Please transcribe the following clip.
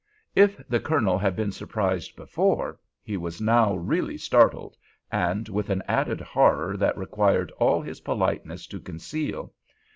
If the Colonel had been surprised before, he was now really startled, and with an added horror that required all his politeness to conceal.